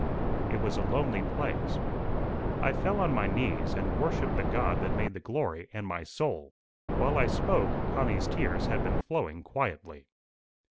It was a lonely place: I fell on my knees, and worshipped the God that made the glory and my soul." While I spoke Connie's tears had been flowing quietly.